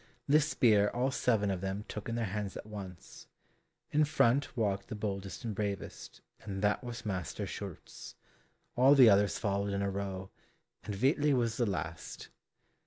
This spear all seven of them took in their hands at once; in front walked the boldest and bravest, and that was Master Schulz; all the others followed in a row, and Veitli was the last.